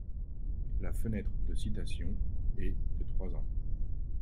La fenêtre de citation est de trois ans.